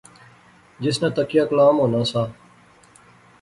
جس نا تکیہ کلام ہونا سا